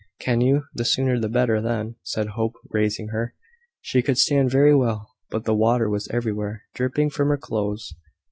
"Can you? The sooner the better, then," said Hope, raising her. She could stand very well, but the water was everywhere dripping from her clothes.